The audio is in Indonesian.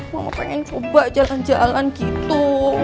mama pengen coba jalan jalanan gitu